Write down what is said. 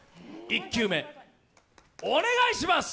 １球目お願いします！